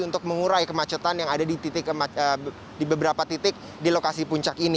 untuk mengurai kemacetan yang ada di beberapa titik di lokasi puncak ini